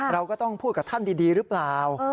เราก็ต้องพูดกับท่านดีหรือเปล่า